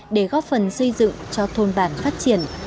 để góp phần xây dựng cho thôn bản phát triển